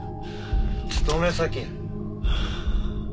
勤め先！